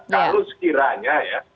kalau sekiranya ya